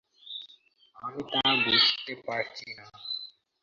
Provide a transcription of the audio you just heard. আমি তা বুঝতে পারছি না।